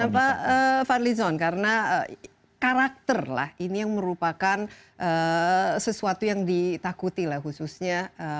pak van linson karena karakter ini yang merupakan sesuatu yang ditakuti khususnya